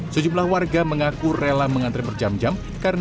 sejumlah warga mengaku rela mengantri berjam jam